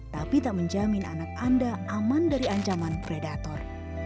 tapi tak menjamin anak anda aman dari ancaman predator